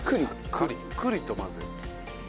さっくりと混ぜる。